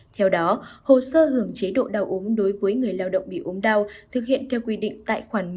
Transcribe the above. theo đó hồ sơ hưởng chế độ đau ốm đối với người lao động bị ốm đau thực hiện theo quy định tại khoản một